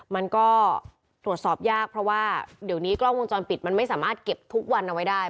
มันก็ตรวจสอบยากเพราะว่าเดี๋ยวนี้กล้องวงจรปิดมันไม่สามารถเก็บทุกวันเอาไว้ได้